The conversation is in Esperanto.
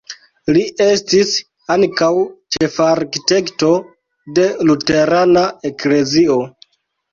Li estis ankaŭ ĉefarkitekto de luterana eklezio.